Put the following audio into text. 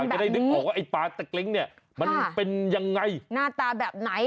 จะได้นึกออกว่าไอ้ปลาตะกริ้งเนี่ยมันเป็นยังไงหน้าตาแบบไหน